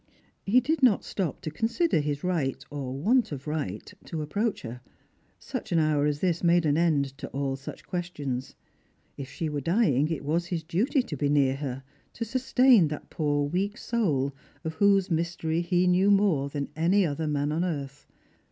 He did not stop to consider his right, or want of right, to approach her. Such an hour as this made an end to all Buch questions. If she were dying, it was his duty to be near Strangers and Pilgrims. 331 her; to sustain that poor weak soul, of whose mystery he knew more than any other man on earth.